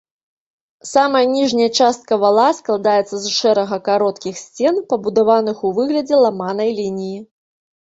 Самая ніжняя частка вала складаецца з шэрага кароткіх сцен, пабудаваных у выглядзе ламанай лініі.